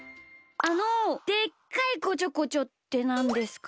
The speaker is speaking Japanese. あの「でっかいこちょこちょ」ってなんですか？